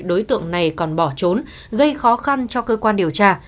đối tượng này còn bỏ trốn gây khó khăn cho cơ quan điều tra